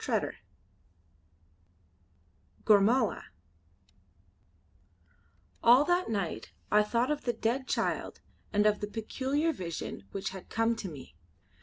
CHAPTER II GORMALA All that night I thought of the dead child and of the peculiar vision which had come to me.